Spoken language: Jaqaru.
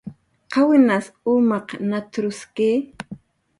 "¿Qawinas umaq nat""ruski?"